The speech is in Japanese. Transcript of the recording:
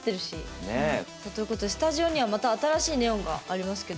ねえ。ということでスタジオにはまた新しいネオンがありますけど。